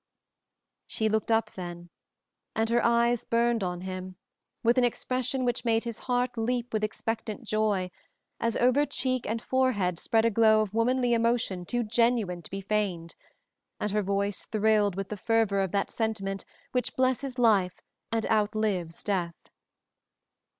She looked up then, and her eyes burned on him, with an expression which made his heart leap with expectant joy, as over cheek and forehead spread a glow of womanly emotion too genuine to be feigned, and her voice thrilled with the fervor of that sentiment which blesses life and outlives death.